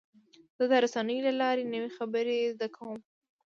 زه د رسنیو له لارې نوې خبرې زده کوم.